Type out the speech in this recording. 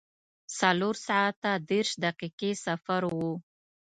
څلور ساعته دېرش دقیقې سفر و.